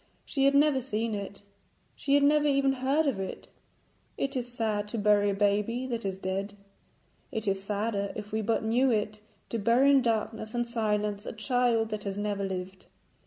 She had never seen it. She had never even heard of it. It is sad to bury a baby that is dead; it is sadder, if we but knew it, to bury in darkness and silence a child that has never lived.